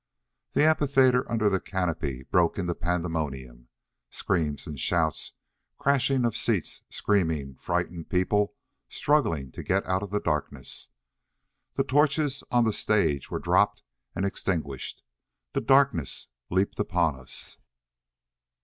The amphitheater under the canopy broke into a pandemonium. Screams and shouts, crashing of seats, screaming, frightened people struggling to get out of the darkness. The torches on the stage were dropped and extinguished. The darkness leaped upon us.